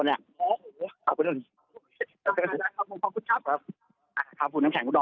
แล้วมาดับตรงหน้า